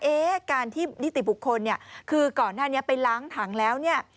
เอ๊ะการที่นิติบุคคลคือก่อนหน้านี้ไปล้างถังแล้ว